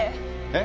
え？